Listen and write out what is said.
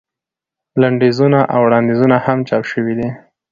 لنډیزونه او وړاندیزونه هم چاپ شوي دي.